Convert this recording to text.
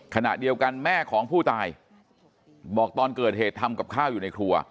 ขณะเดียวกันแม่ของผู้ตายบอกตอนเกิดเหตุทำกับข้าวอยู่ในครัว